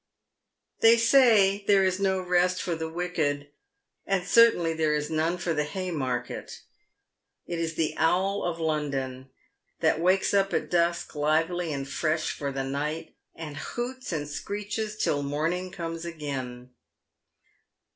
They say there is no rest for the wicked, and certainly there is none for the Haymarket ; it is the owl of Loudon, that wakes up at dusk lively and fresh for the night, and hoots and screeches till morning comes again.